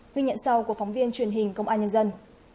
ghi nhận sau của phóng viên truyền hình công an nhân dân